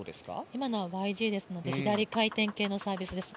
今のはＹＧですから左回転系のサービスです。